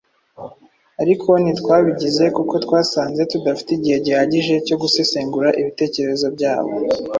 ariko ntitwabigize kuko twasanze tudafite igihe gihagije cyo gusesengura ibitekerezo byabo